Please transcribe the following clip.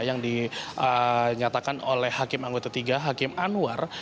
yang dinyatakan oleh hakim anggota tiga hakim anwar